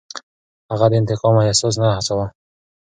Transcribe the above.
هغه د انتقام احساس نه هڅاوه.